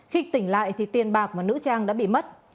khi tỉnh lại thì tiền bạc mà nữ trang đã bị mất